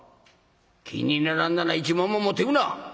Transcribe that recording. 気に入らなんだら１文も持ってくな！